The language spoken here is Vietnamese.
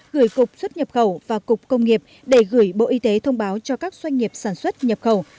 gửi cục xuất nhập khẩu và cục công nghiệp để gửi bộ y tế thông báo cho các doanh nghiệp sản xuất nhập khẩu